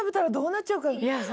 いや。